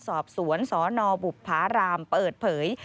สอบสวนสนบุภารามเปิดเผย